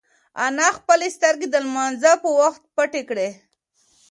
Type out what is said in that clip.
انا خپلې سترگې د لمانځه په وخت پټې کړې.